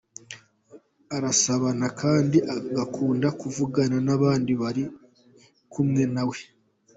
Arasabana kandi agakunda kuvugana n’abandi bari kumwe nawe.